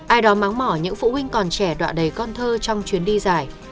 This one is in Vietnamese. ai đó máng mỏ những phụ huynh còn trẻ đọa đầy con thơ trong chuyến đi dài